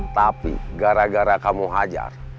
tapi gara gara kamu hajar